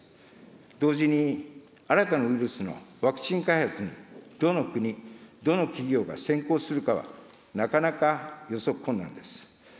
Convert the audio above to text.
同時に、新たなウイルスのワクチン開発にどの国、どの企業が先行するかは、なかなか予測困難です。